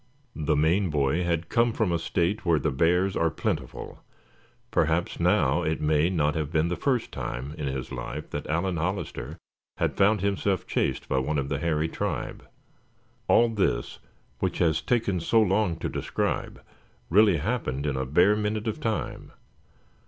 The Maine boy had come from a State where bears are plentiful; perhaps, now, it may not have been the first time in his life that Allan Hollister had found himself chased by one of the hairy tribe. All this, which has taken so long to describe, really happened in a bare minute of time.